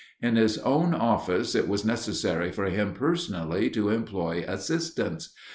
In his own office it was necessary for him personally to employ assistants.